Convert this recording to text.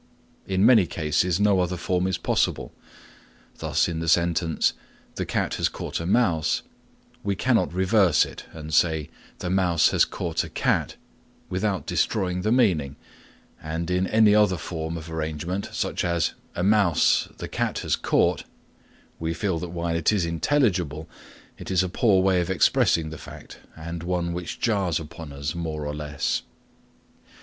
In many cases no other form is possible. Thus in the sentence "The cat has caught a mouse," we cannot reverse it and say "The mouse has caught a cat" without destroying the meaning, and in any other form of arrangement, such as "A mouse, the cat has caught," we feel that while it is intelligible, it is a poor way of expressing the fact and one which jars upon us more or less.